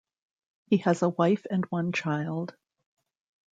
He has a wife and one child.